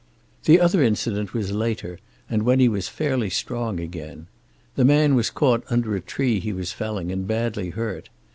The other incident was later, and when he was fairly strong again. The man was caught under a tree he was felling, and badly hurt.